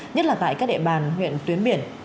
nhất là tại các địa bàn huyện tuyến biển